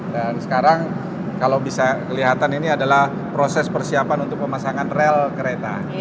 dan sekarang kalau bisa kelihatan ini adalah proses persiapan untuk pemasangan rel kereta